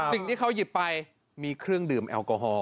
สิ่งที่เขาหยิบไปมีเครื่องดื่มแอลกอฮอล